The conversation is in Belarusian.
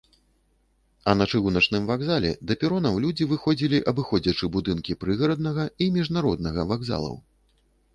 А на чыгуначным вакзале да перонаў людзі выходзілі, абыходзячы будынкі прыгараднага і міжнароднага вакзалаў.